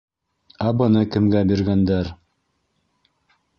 - Ә быны кемгә биргәндәр?